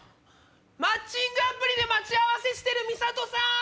マッチングアプリで待ち合わせしてるミサトさん。